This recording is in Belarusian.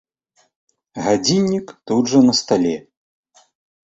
Гадзіннік тут жа на стале.